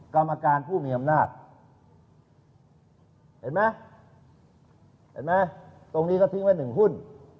กรรมการผู้มีอำนาจตรงนี้ก็ทิ้งไว้๑หุ้น